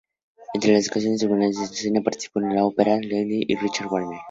Entre otras contribuciones a la escena participó en la ópera "Lohengrin" de Richard Wagner.